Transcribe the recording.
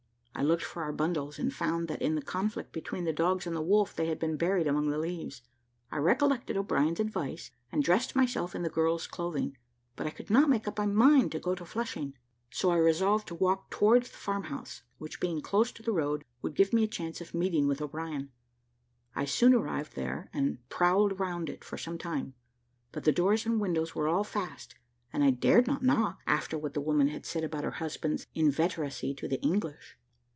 I looked for our bundles, and found that in the conflict between the dogs and the wolf, they had been buried among the leaves. I recollected O'Brien's advice, and dressed myself in the girl's clothes, but I could not make up my mind, to go to Flushing. So I resolved to walk towards the farm house, which being close to the road, would give me a chance of meeting with O'Brien. I soon arrived there, and prowled round it for some time, but the doors and windows were all fast, and I dared not knock, after what the woman had said about her husband's inveteracy to the English.